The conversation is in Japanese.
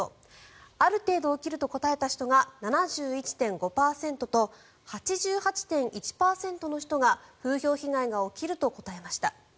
ある程度起きると答えた人が７１．５％と８８．１％の人が風評被害が起きると答えました。